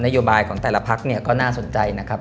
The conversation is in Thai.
โยบายของแต่ละพักเนี่ยก็น่าสนใจนะครับ